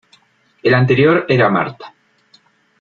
El anterior era Marta.